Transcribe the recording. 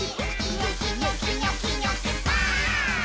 「ニョキニョキニョキニョキバーン！」